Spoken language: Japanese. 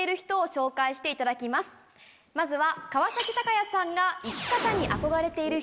まずは。